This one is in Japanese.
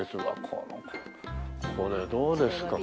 このこれどうですか？